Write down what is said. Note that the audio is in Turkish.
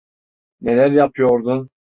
Neler yapıyordun?